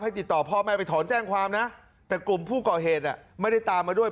ติดต่อพ่อแม่ไปถอนแจ้งความนะแต่กลุ่มผู้ก่อเหตุไม่ได้ตามมาด้วย